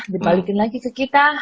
dibalikin lagi ke kita